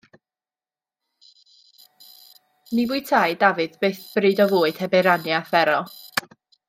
Ni fwytâi Dafydd byth bryd o fwyd heb ei rannu â Phero.